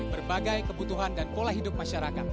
berbagai kebutuhan dan pola hidup masyarakat